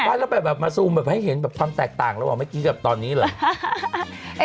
ไม่แล้วแบบมาซูมแบบให้เห็นแบบความแตกต่างระหว่างเมื่อกี้กับตอนนี้เหรอ